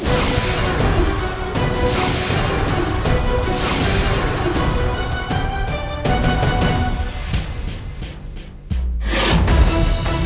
yang dirawat aa keluarga